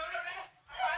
mau gak mu hafal itu